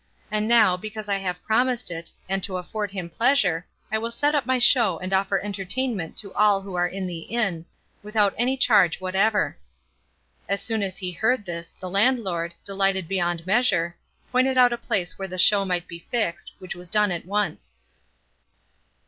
And now, because I have promised it, and to afford him pleasure, I will set up my show and offer entertainment to all who are in the inn, without any charge whatever." As soon as he heard this, the landlord, delighted beyond measure, pointed out a place where the show might be fixed, which was done at once.